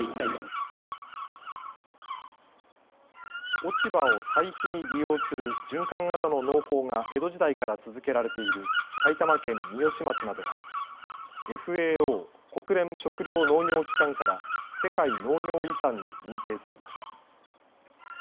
落ち葉を堆肥に利用する循環型の農法が江戸時代から続けられている埼玉県三芳町などがＦＡＯ・国連食糧農業機関から世界農業遺産に認定されました。